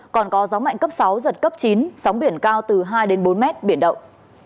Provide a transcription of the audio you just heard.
còn có gió mạnh cấp sáu giật cấp chín sóng biển cao từ hai đến bốn m biển động